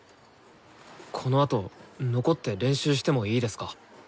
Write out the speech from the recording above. このあと残って練習してもいいですか？